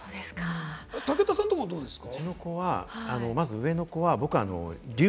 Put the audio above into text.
武田さんとこは、どうですか？